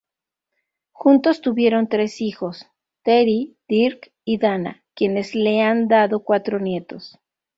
Juntos tuvieron tres hijos: Teri, Dirk y Dana, quienes le han dado cuatro nietos.